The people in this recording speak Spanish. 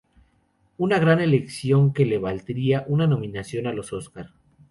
Una gran elección que le valdría una nominación a los Oscar.